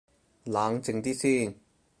冷靜啲先